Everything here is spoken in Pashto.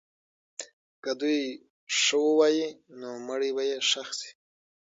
که دوی ښه ووایي، نو مړی به یې ښخ سي.